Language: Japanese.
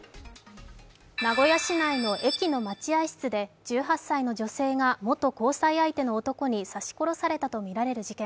名古屋市内の駅の待合室で１８歳の女性が元恋人の男に刺し殺されたとみられる事件。